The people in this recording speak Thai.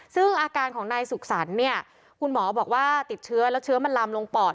ซึ่งอาการของนายสุขสรรค์เนี่ยคุณหมอบอกว่าติดเชื้อแล้วเชื้อมันลำลงปอด